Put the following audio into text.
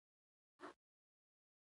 سپوږمۍ ورو ورو پورته کېږي.